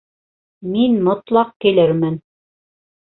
Мин мотлаҡ килермен